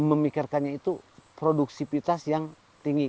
memikirkannya itu produksivitas yang tinggi